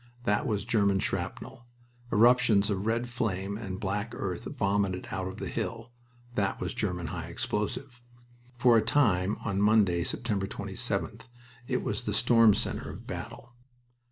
That was German shrapnel. Eruptions of red flame and black earth vomited out of the hill. That was German high explosive. For a time on Monday, September 27th, it was the storm center of battle.